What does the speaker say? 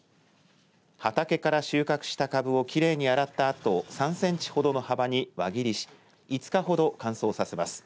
畑から収穫したかぶをきれいに洗ったあと３センチほどの幅に輪切りし５日ほど乾燥させます。